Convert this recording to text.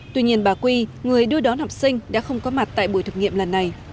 tuy nhiên bà quy người đưa đón học sinh đã không có mặt tại buổi thực nghiệm lần này